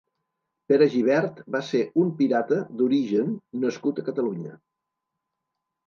Pere Gibert va ser un pirata d'origen nascut a Catalunya.